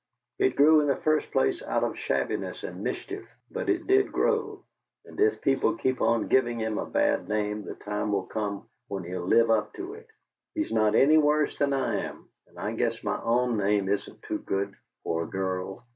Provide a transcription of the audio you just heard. It grew in the first place out of shabbiness and mischief, but it did grow; and if people keep on giving him a bad name the time will come when he'll live up to it. He's not any worse than I am, and I guess my own name isn't too good for a girl.